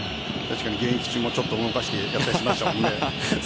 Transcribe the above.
現役中もちょっと動かしてやっていましたもんね。